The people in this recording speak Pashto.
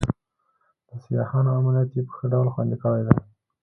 د سیاحانو امنیت یې په ښه ډول خوندي کړی دی.